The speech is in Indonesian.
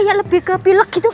apan kita bisa foto begitu tuh